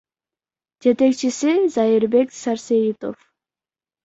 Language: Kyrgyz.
Жетекчиси — Зайырбек Сарсеитов.